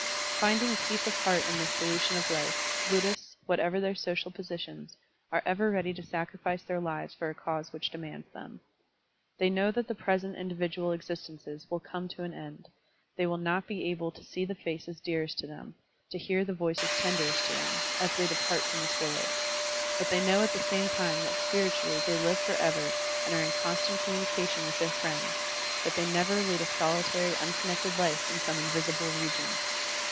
Finding peace of heart in this solution of Ufe, Buddhists, whatever their social positions, are ever ready to sacrifice their lives for a cause which demands them. They know that the present individual existences will come to an end, they will not be able to see the faces dearest to them, to hear the voices tenderest to them, as they depart from this world; but they know at the same time that spiritually they live for Digitized by Google 178 SERMONS OP A BUDDHIST ABBOT ever and are in constant commtinication with their friends, that they never lead a solitary, unconnected life in some invisible region.